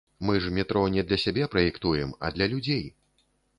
Мы ж метро не для сябе праектуем, а для людзей.